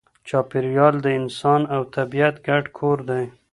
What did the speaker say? چاپېریال د انسان او طبیعت ګډ کور دی.